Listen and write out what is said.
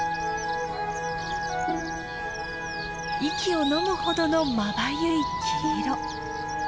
息をのむほどのまばゆい黄色。